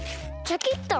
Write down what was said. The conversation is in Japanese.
チョキっと！